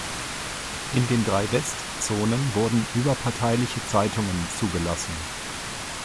In den drei Westzonen wurden überparteiliche Zeitungen zugelassen.